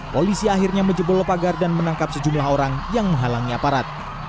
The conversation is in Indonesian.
polisi akhirnya menjebol pagar dan menangkap sejumlah orang yang menghalangi aparat